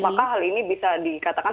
maka hal ini bisa dikatakan